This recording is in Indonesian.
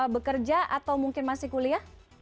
bekerja atau mungkin masih kuliah